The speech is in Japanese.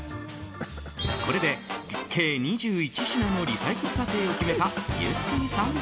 これで、計２１品のリサイクル査定を決めたゆってぃさん